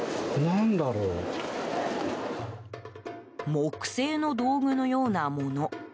木製の道具のようなもの。